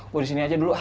gue disini aja dulu ah